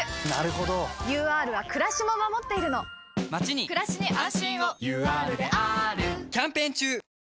ＵＲはくらしも守っているのまちにくらしに安心をＵＲであーるキャンペーン中！